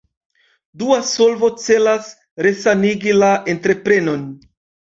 Dua solvo celas resanigi la entreprenon.